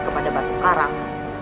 kepada batu karang